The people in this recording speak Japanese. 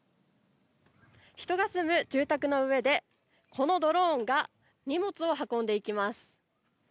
人が住む住宅の上で、このドローンが荷物を運んでいきます。